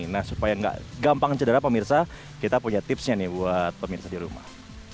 nah supaya nggak gampang cedera pemirsa kita punya tipsnya nih buat pemirsa di rumah